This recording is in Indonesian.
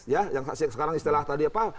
ya yang sekarang istilah tadi apa